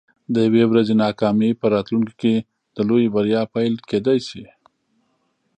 د یوې ورځې ناکامي په راتلونکي کې د لویې بریا پیل کیدی شي.